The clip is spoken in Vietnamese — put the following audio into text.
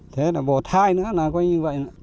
thế là bộ thai nữa là coi như vậy